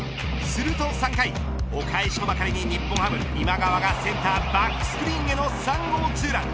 すると３回お返しとばかりに日本ハム今川がセンターバックスクリーンへの３号ツーラン。